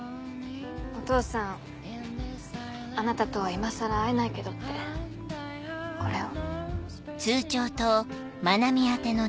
お父さんあなたとは今更会えないけどってこれを。